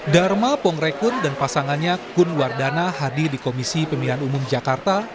dharma pongrekun dan pasangannya kunwardana hadir di komisi pemilihan umum jakarta